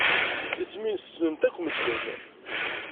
Isem-nnes ssnen-t akk medden.